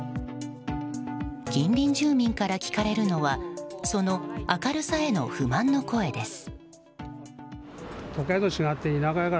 近隣住民から聞かれるのはその明るさへの不満の声です。